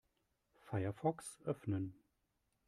Firefox öffnen.